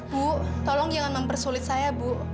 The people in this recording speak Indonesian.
bu tolong jangan mempersulit saya bu